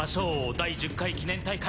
第１０回記念大会